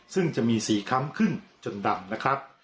ซึ่งจะมี๔ค้ำขึ้นจนดำนะครับ